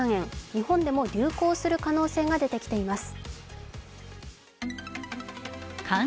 日本でも流行する可能性が出てきています。